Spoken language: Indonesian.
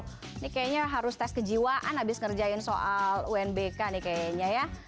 ini kayaknya harus tes kejiwaan abis ngerjain soal unbk nih kayaknya ya